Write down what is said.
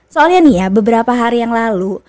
soalnya nih ya beberapa hari yang lalu